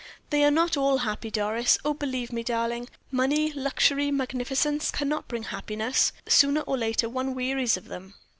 "They are not all happy, Doris. Oh, believe me, darling! money, luxury, magnificence cannot bring happiness. Sooner or later one wearies of them."